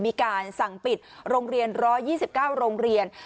มีการสั่งปิด๑๒๙โรงเรียน